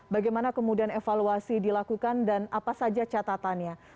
bagaimana kemudian evaluasi dilakukan dan apa saja catatannya